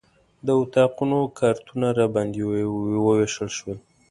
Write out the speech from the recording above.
د اتاقونو کارتونه راباندې ووېشل شول.